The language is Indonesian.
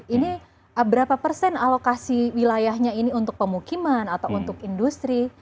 ini berapa persen alokasi wilayahnya ini untuk pemukiman atau untuk industri